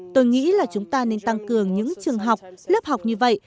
tôi nghĩ là chúng ta nên tăng cường những trường học lớp học như vậy